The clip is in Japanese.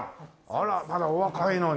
あらまだお若いのに。